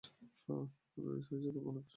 হ্যাঁঁ হয়েছে তবে অনেক কষ্টে।